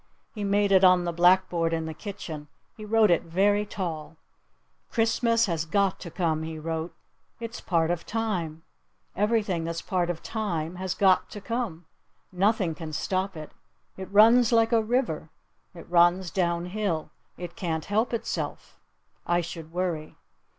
He made it on the blackboard in the kitchen. He wrote it very tall. "Christmas has got to come," he wrote. "It's part of time. Everything that's part of time has got to come. Nothing can stop it. It runs like a river. It runs down hill. It can't help itself. I should worry."